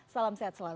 salam sehat selalu